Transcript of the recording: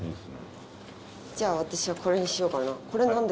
じゃあ私はこれにしようかな。